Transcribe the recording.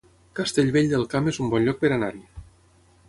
Castellvell del Camp es un bon lloc per anar-hi